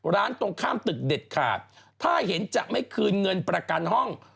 ตรงข้ามตึกเด็ดขาดถ้าเห็นจะไม่คืนเงินประกันห้อง